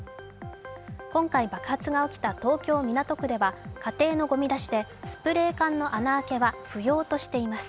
今回、爆発が起きた東京・港区では家庭のごみ出しでスプレー缶の穴開けは不要としています。